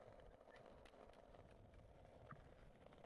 Summit is home to Southwest Mississippi Community College.